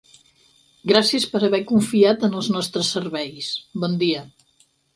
Gràcies per haver confiat en els nostres serveis, bon dia.